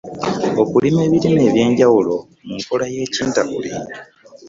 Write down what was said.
Okulima ebirime eby’enjawulo mu nkola ey’ekintabuli.